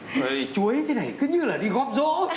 trời ơi chuối thế này cứ như là đi góp rỗ